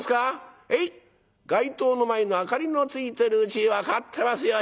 街灯の前の明かりのついてるうち分かってますよ。